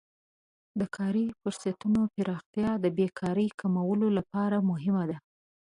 د کاري فرصتونو پراختیا د بیکارۍ کمولو لپاره مهمه ده.